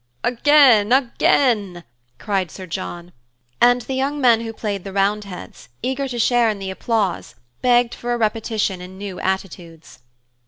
"Again! Again!" called Sir John. And the young men who played the Roundheads, eager to share in the applause begged for a repetition in new attitudes.